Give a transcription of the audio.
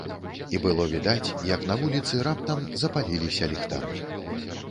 І было відаць, як на вуліцы раптам запаліліся ліхтары.